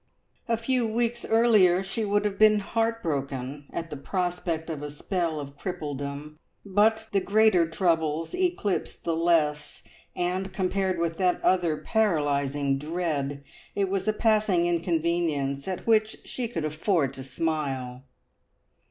A few weeks earlier she would have been heartbroken at the prospect of a spell of crippledom, but the greater troubles eclipse the less, and compared with that other paralysing dread, it was a passing inconvenience at which she could afford to smile.